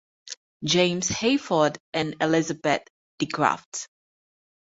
James Hayford and Elizabeth de Graft.